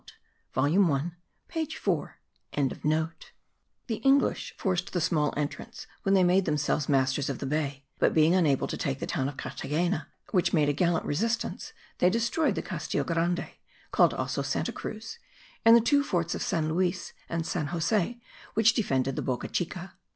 volume 1 page 4.) The English forced the small entrance when they made themselves masters of the bay; but being unable to take the town of Carthagena, which made a gallant resistance, they destroyed the Castillo Grande (called also Santa Cruz) and the two forts of San Luis and San Jose which defended the Boca Chica.